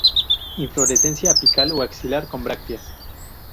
Inflorescencia apical o axilar con brácteas.